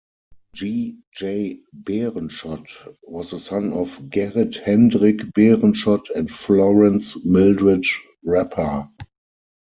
G. J. Berenschot was the son of Gerrit Hendrik Berenschot and Florence Mildred Rappa.